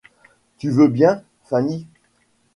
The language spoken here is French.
Tu veux bien, Fanny ?